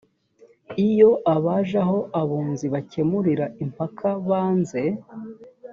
iyo abaje aho abunzi bakemurira impaka banze